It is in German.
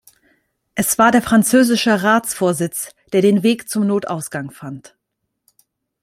Es war der französische Ratsvorsitz, der den Weg zum Notausgang fand.